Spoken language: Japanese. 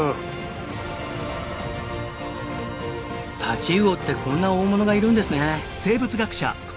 太刀魚ってこんな大物がいるんですね。